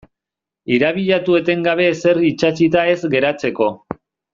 Irabiatu etengabe ezer itsatsita ez geratzeko.